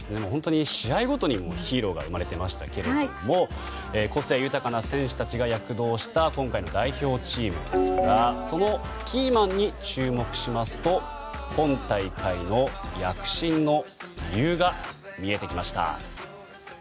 試合ごとにヒーローが生まれていましたけど個性豊かな選手たちが躍動した今回の代表チームですがそのキーマンに注目しますと今大会の躍進の理由が見えてきました。